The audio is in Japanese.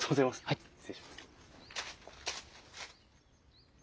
はい失礼します。